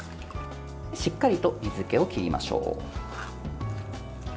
しっかりと水けを切りましょう。